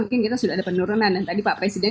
mungkin kita sudah ada penurunan tadi pak presiden